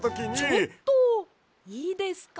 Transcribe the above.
ちょっといいですか？